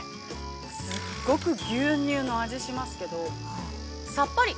すっごく牛乳の味、しますけどさっぱり。